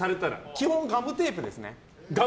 基本ガムテープですね。